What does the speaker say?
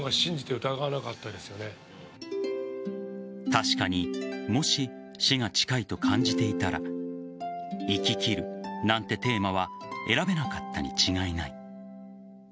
確かにもし死が近いと感じていたら生き切るなんてテーマは選べなかったに違いない。